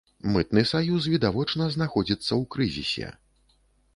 Мытны саюз відавочна знаходзіцца ў крызісе.